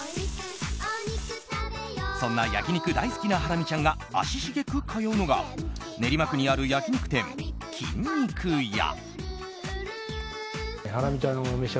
そんな焼き肉大好きなハラミちゃんが足しげく通うのが練馬区にある焼き肉店、きん肉屋。